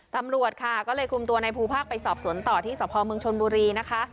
ตำรวจค่ะก็เลยคุมตัวในภูภาคไปสอบสวนต่อที่สพเมืองชนบุรีนะคะ